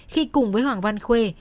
khi cùng với hoàng văn khuê